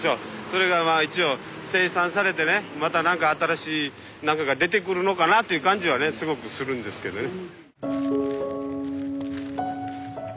それがまあ一応清算されてねまたなんか新しい何かが出てくるのかなっていう感じはねすごくするんですけどね。